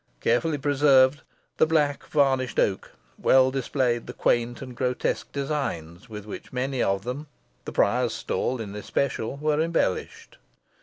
Carefully preserved, the black varnished oak well displayed the quaint and grotesque designs with which many of them the Prior's stall in especial were embellished.